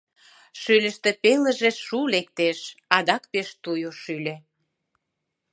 Шӱльыштӧ пелыже шу лектеш, адак пеш туйо шӱльӧ...